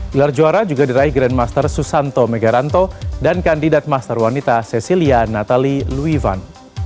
gelar juara juga diraih grandmaster susanto megaranto dan kandidat master wanita cecilia natali louisan